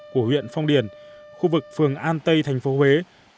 của huyện phong điền khu vực phường an tây thành phố huế